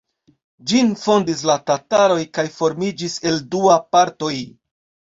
Ĝin fondis la tataroj kaj formiĝis el dua partoj.